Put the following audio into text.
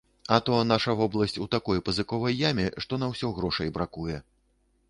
А то наша вобласць у такой пазыковай яме, што на ўсё грошай бракуе.